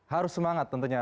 harus semangat tentunya